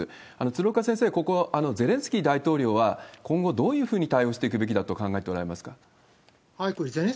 鶴岡先生、ここはゼレンスキー大統領は、今後、どういうふうに対応していくべきだというふうに考えておられますか？